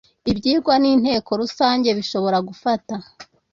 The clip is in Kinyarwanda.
ibyigwa n inteko rusange bishobora gufata